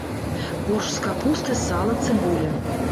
Боршч з капусты, сала, цыбуля.